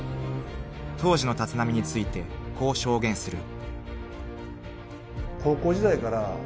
［当時の立浪についてこう証言する］